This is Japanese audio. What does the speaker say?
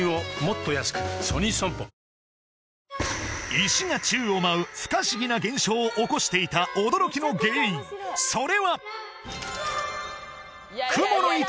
石が宙を舞う不可思議な現象を起こしていた驚きの原因それは！